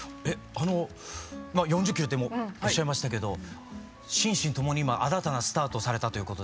あの４０キロって今おっしゃいましたけど心身ともに今新たなスタートをされたということで。